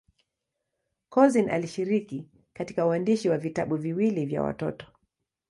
Couzyn alishiriki katika uandishi wa vitabu viwili vya watoto.